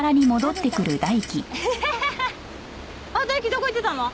どこ行ってたの？